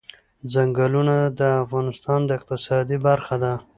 ځنګلونه د افغانستان د اقتصاد برخه ده.